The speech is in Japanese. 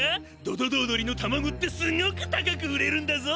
ドドドー鳥のタマゴってすごく高く売れるんだぞ。